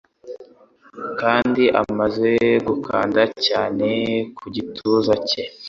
kandi amaze kunkanda cyane ku gituza cye